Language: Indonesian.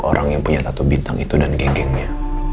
orang yang punya tattoo bintang itu dan geng gengnya